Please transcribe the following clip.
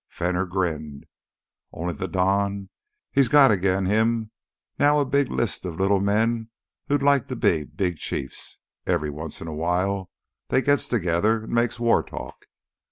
Fenner grinned. "Only, th' Don, he's got agin him now a big list of little men who'd like to be big chiefs. Every once in a while they gits together an' makes war talk.